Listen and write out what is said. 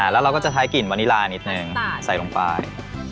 เราจะใช้กลิ่นไวนี่แค่นิดนึงใส่ลงไป